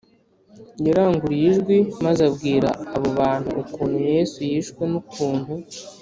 Yaranguruye ijwi maze abwira abo bantu ukuntu Yesu yishwe n ukuntu